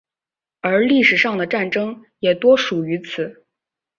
而历史上的战争也多属于此。